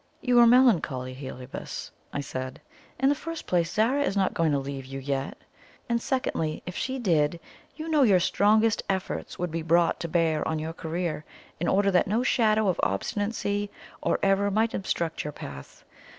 "You are melancholy, Heliobas," I said. "In the first place, Zara is not going to leave you yet; and secondly, if she did, you know your strongest efforts would be brought to bear on your career, in order that no shadow of obstinacy or error might obstruct your path.